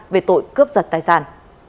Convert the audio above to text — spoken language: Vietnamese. về tội cướp giật tài sản